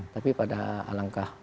tapi pada alangkah